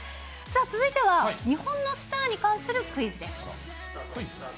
さあ、続いては日本のスターに関するクイズです。